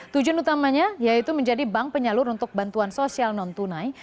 tujuan utamanya yaitu menjadi bank penyalur untuk bantuan sosial non tunai